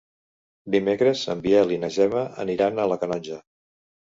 Dimecres en Biel i na Gemma aniran a la Canonja.